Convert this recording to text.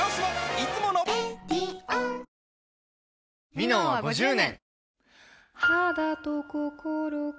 「ミノン」は５０年！